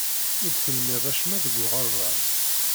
Ur d-telmid acemma deg uɣerbaz.